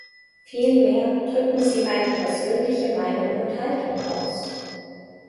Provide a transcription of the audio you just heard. Vielmehr „drücken sie meine persönliche Meinung und Haltung aus“.